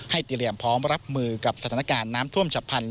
เตรียมพร้อมรับมือกับสถานการณ์น้ำท่วมฉับพันธ